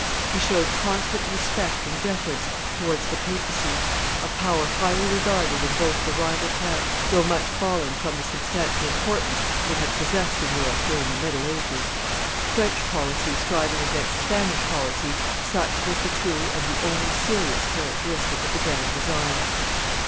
He showed constant respect and deference towards the papacy, a power highly regarded in both the rival camps, though much fallen from the substantial importance it had possessed in Europe during the middle ages. French policy striving against Spanish policy, such was the true and the only serious characteristic of the grand design.